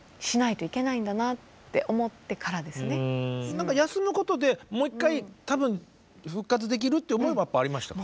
何か休むことでもう一回多分復活できるっていう思いはやっぱありましたか？